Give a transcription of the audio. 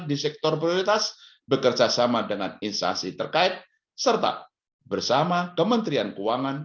di sektor prioritas bekerjasama dengan instasi terkait serta bersama kementerian keuangan